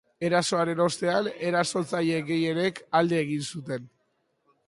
Erasoaren ostean, erasotzaile gehienek alde egin zuten.